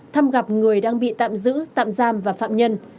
thăm gặp người đang bị tạm giữ tạm giam và phạm nhân